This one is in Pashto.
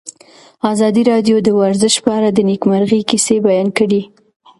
ازادي راډیو د ورزش په اړه د نېکمرغۍ کیسې بیان کړې.